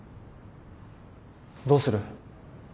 どうする？